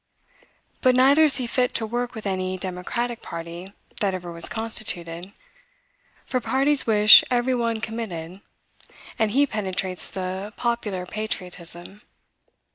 But neither is he fit to work with any democratic party that ever was constituted; for parties wish every one committed, and he penetrates the popular patriotism.